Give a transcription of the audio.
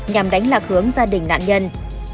nhằm đánh lạc hướng gia đình nạn nhân